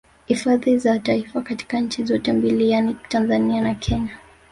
Hifadhi za Taifa katika nchi zote mbili yani Tanzania na Kenya